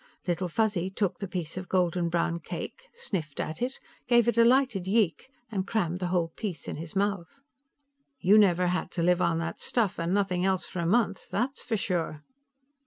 Little Fuzzy took the piece of golden brown cake, sniffed at it, gave a delighted yeek and crammed the whole piece in his mouth. "You never had to live on that stuff and nothing else for a month, that's for sure!"